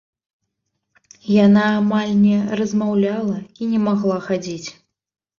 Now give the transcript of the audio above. Яна амаль не размаўляла і не магла хадзіць.